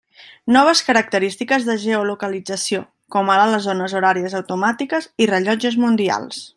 Noves característiques de geolocalització, com ara les zones horàries automàtiques i rellotges mundials.